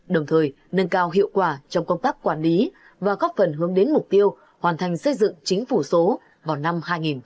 đồng thời nâng cao hiệu quả trong công tác quản lý và góp phần hướng đến mục tiêu hoàn thành xây dựng chính phủ số vào năm hai nghìn ba mươi